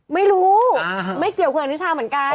ไม่รู้ไม่เกี่ยวคุณอนุชาเหมือนกัน